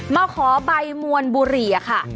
มาขอใบมวลบุหรี่ค่ะ